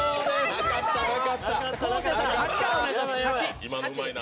なかったな。